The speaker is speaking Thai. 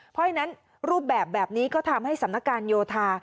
เพราะฉะนั้นรูปแบบนี้ก็ทำให้สำนักการโยธา